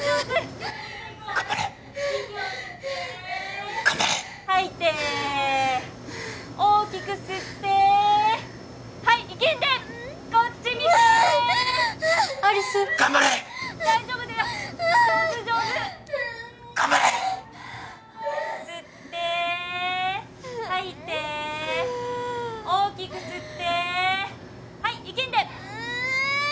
もう一回いこう頑張れ息を吸って頑張れ吐いて大きく吸ってはいいきんでこっち見て有栖頑張れ大丈夫だよ上手上手頑張れ吸って吐いてふう大きく吸ってはいいきんでう！